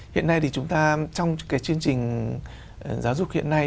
hiện nay thì chúng ta trong cái chương trình giáo dục hiện nay